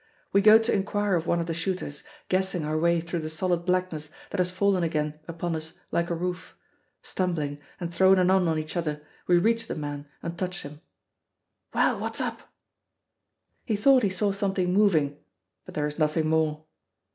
We go to inquire of one of the shooters, guessing our way through the solid blackness that has fallen again upon us like a roof. Stumbling, and thrown anon on each other, we reach the man and touch him "Well, what's up?" He thought he saw something moving, but there is nothing more.